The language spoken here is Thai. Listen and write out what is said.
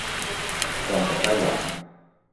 รองจากไต้หวัน